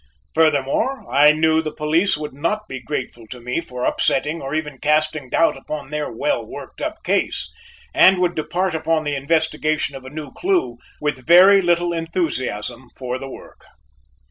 Furthermore, I knew the police would not be grateful to me for upsetting or even casting doubt upon their well worked up case, and would depart upon the investigation of a new clue with very little enthusiasm for the work.